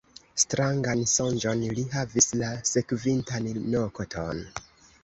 Strangan sonĝon li havis la sekvintan nokton.